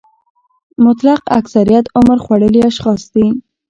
مطلق اکثریت عمر خوړلي اشخاص دي.